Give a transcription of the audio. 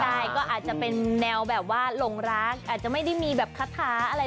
ใช่ก็อาจจะเป็นแนวแบบว่าหลงรักอาจจะไม่ได้มีแบบคาถาอะไร